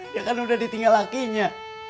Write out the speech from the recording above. dia kan udah ditinggal lakinya